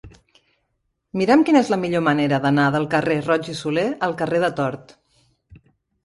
Mira'm quina és la millor manera d'anar del carrer de Roig i Solé al carrer de Tort.